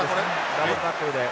ダブルタックルで。